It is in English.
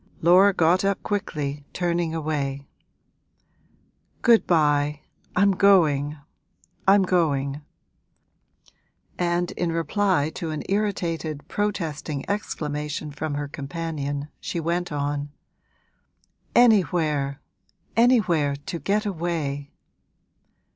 Laura got up quickly, turning away. 'Good bye, I'm going, I'm going!' And in reply to an irritated, protesting exclamation from her companion she went on, 'Anywhere anywhere to get away!'